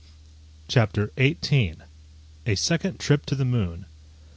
CHAPTER XVIII A SECOND TRIP TO THE MOON.